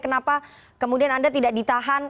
kenapa kemudian anda tidak ditahan